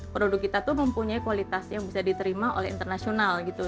produk kita tuh mempunyai kualitas yang bisa diterima oleh internasional gitu